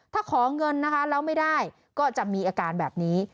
ถ้าขอเงินนะคะแล้วไม่ได้ก็จะมีอาการแบบนี้